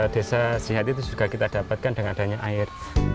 desa singati itu juga kita dapatkan dengan adanya air